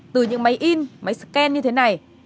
từ những máy in máy scan như thế này